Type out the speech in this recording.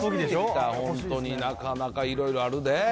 本当になかなかいろいろあるで。